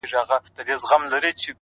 داسې چې سترګې برندوې راپسې